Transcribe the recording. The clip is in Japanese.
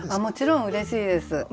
もちろんうれしいです。